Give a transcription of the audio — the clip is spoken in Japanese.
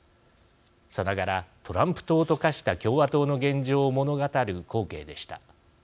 さながらトランプ党と化した共和党の現状を物語る光景でした。